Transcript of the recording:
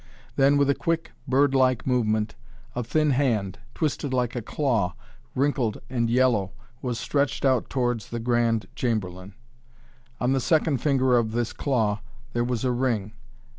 Then, with a quick, bird like movement, a thin hand, twisted like a claw, wrinkled and yellow, was stretched out towards the Grand Chamberlain. On the second finger of this claw there was a ring.